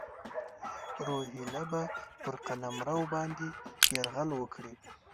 روهیله به پر قلمرو باندي یرغل وکړي.